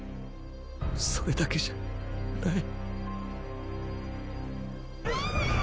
それだけじゃない。